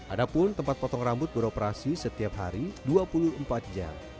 ada pun tempat potong rambut beroperasi setiap hari dua puluh empat jam